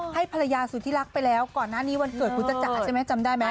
ให้ภรรยาสูตรที่รักไปแล้วก่อนหน้านี้วันเกิดพูจัจจ่าใช่มั้ยจำได้มั้ย